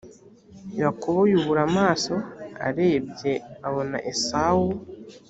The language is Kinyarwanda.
yakobo yubura amaso arebye abona esawu